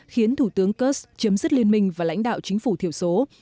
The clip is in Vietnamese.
khiến thủ tướng kursk chấm dứt liên minh và lãnh đạo chính phủ thiểu số